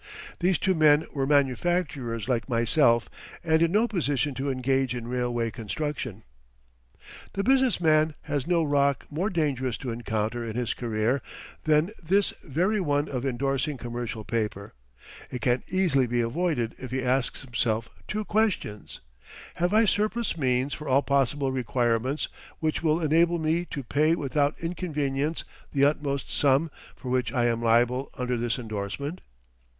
These two men were manufacturers like myself and in no position to engage in railway construction. [Footnote 32: Died May 21, 1881.] The business man has no rock more dangerous to encounter in his career than this very one of endorsing commercial paper. It can easily be avoided if he asks himself two questions: Have I surplus means for all possible requirements which will enable me to pay without inconvenience the utmost sum for which I am liable under this endorsement?